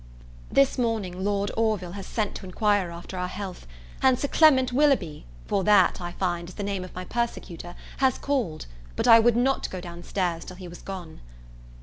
This morning Lord Orville has sent to inquire after our health; and Sir Clement Willoughby, for that, I find, is the name of my persecutor, has called; but I would not go down stairs till he was gone.